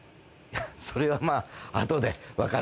それはまぁ。